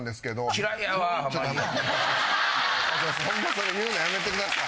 それ言うのやめてください。